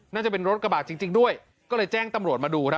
น่าจะเป็นรถกระบาดจริงด้วยก็เลยแจ้งตำรวจมาดูครับ